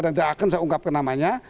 dan tidak akan saya ungkapkan namanya